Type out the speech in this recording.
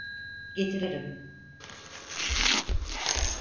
Getiririm.